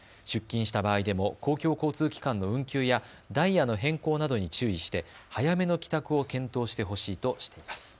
出勤した場合でも公共交通機関の運休やダイヤの変更などに注意して早めの帰宅を検討してほしいとしています。